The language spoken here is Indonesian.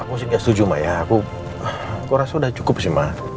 aku sih gak setuju maya aku rasa udah cukup sih mak